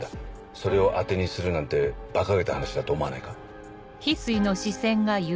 それを当てにするなんてバカげた話だと思わないか？